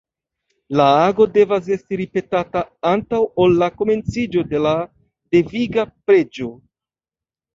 La ago devas esti ripetata antaŭ ol la komenciĝo de la deviga preĝo.